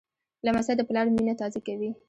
لمسی د پلار مینه تازه کوي.